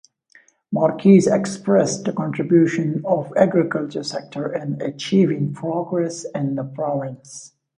Marquez expressed the contribution of agriculture sector in achieving progress in the province.